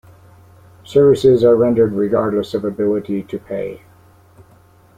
Services are rendered regardless of ability to pay.